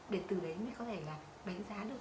để từ đấy mới có thể là đánh giá được